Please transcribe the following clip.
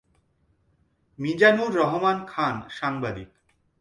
মিজানুর রহমান খান সাংবাদিক।